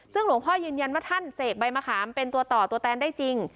ซึ่งหลวงพ่อยืนยันว่าท่านเสกใบมะขามเป็นตัวต่อตัวแตนได้จริง